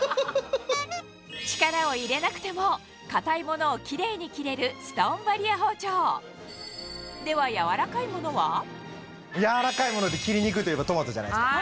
力を入れなくても硬いものをキレイに切れるストーンバリア包丁では柔らかいもので切りにくいといえばトマトじゃないですか。